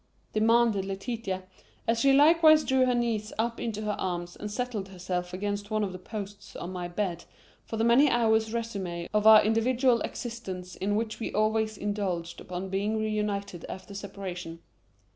demanded Letitia, as she likewise drew her knees up into her arms and settled herself against one of the posts of my bed for the many hours' résumé of our individual existences in which we always indulged upon being reunited after separation.